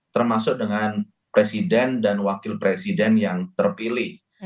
termasuk dengan presiden dan wakil presiden yang terpilih